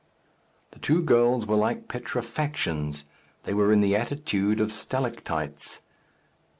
The two girls were like petrifactions: they were in the attitude of stalactites.